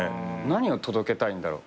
何を届けたいんだろ？